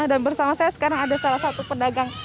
bersama saya sekarang ada salah satu pedagang